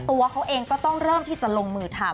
ตัวเขาเองก็ต้องเริ่มที่จะลงมือทำ